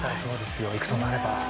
行くとなれば。